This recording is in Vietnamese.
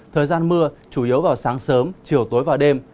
thời gian mưa chủ yếu vào sáng sớm chiều tối và đêm